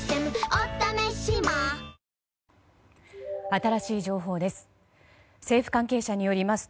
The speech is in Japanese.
新しい情報です。